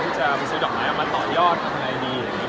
ที่จะมาซื้อดอกไม้มาต่อยอดทำอะไรดี